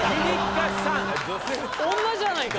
女じゃないか！